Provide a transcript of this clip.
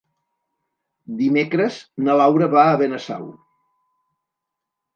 Dimecres na Laura va a Benasau.